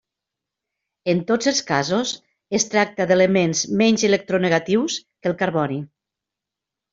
En tots els casos es tracta d'elements menys electronegatius que el carboni.